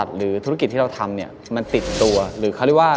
เมื่อกลับมาวิธีคือว่า